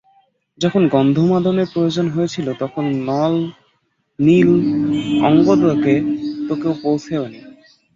যখন গন্ধমাদনের প্রয়োজন হয়েছিল তখন নল-নীল-অঙ্গদকে তো কেউ পোঁছেও নি!